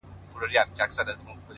غواړمه چي دواړي سترگي ورکړمه!